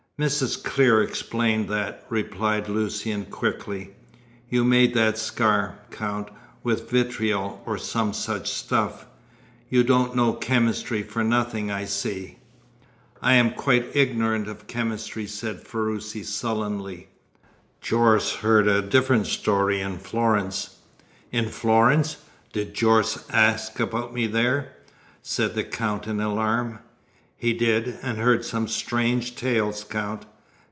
"Mrs. Clear explained that," replied Lucian quickly. "You made that scar, Count, with vitriol, or some such stuff. You don't know chemistry for nothing, I see." "I am quite ignorant of chemistry," said Ferruci sullenly. "Jorce heard a different story in Florence." "In Florence! Did Jorce ask about me there?" said the Count in alarm. "He did, and heard some strange tales, Count.